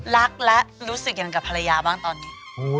รักรู้สึกเหมือนกับภรรยาบ้างตอนนี้